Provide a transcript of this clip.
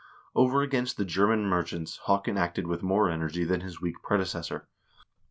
Over against the German merchants Haakon acted with more energy than his weak predecessor.